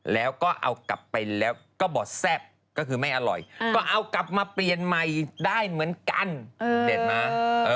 แล้วก็เอากลับไปแล้วก็บอดแซ่บก็คือไม่อร่อยก็เอากลับมาเปลี่ยนใหม่ได้เหมือนกันเด็ดมา